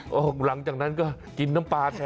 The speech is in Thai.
หรอหรอหลังจากนั้นก็กินน้ำปลาแท้